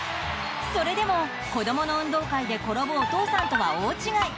それでも、子供の運動会で転ぶお父さんは大違い。